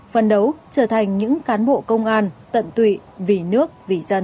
phân đấu trở thành những cán bộ công an tận tụy vì nước vì dân